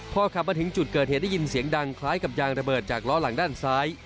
พอขับมาถึงจุดเกิดเหตุได้ยินเสียงดังคล้ายกับยางระเบิดจากล้อหลังด้านซ้าย